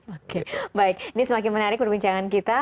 oke baik ini semakin menarik perbincangan kita